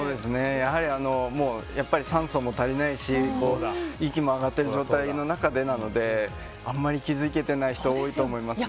やはり、酸素も足りないし息も上がってる状態の中でなのであんまり気づけてない人は多いと思いますね。